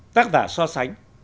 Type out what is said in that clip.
tác giả so sánh